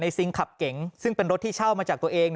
ซิงขับเก๋งซึ่งเป็นรถที่เช่ามาจากตัวเอง